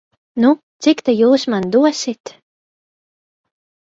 Nu, cik ta jūs man dosit?